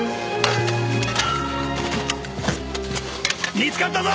見つかったぞ！